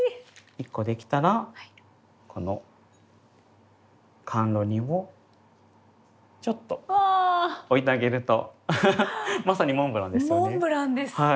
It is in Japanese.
１コできたらこの甘露煮をちょっと置いてあげるとまさにモンブランですよね。